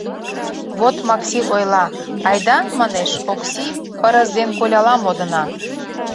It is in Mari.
Вот Макси ойла: «Айда, — манеш, — Окси, пырыс ден коляла модына.